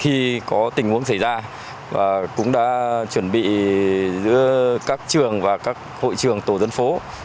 khi có tình huống xảy ra cũng đã chuẩn bị giữa các trường và các hội trường tổ dân phố